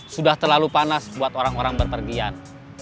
sudah terlalu panas buat orang orang berpergian